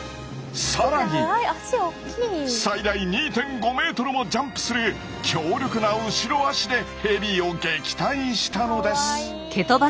更に最大２．５メートルもジャンプする強力な後ろ足でヘビを撃退したのです。